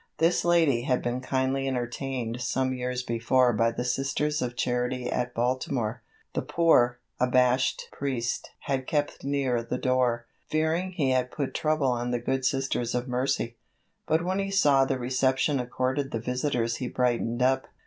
This lady had been kindly entertained some years before by the Sisters of Charity at Baltimore. The poor, abashed priest had kept near the door, fearing he had put trouble on the good Sisters of Mercy, but when he saw the reception accorded the visitors he brightened up.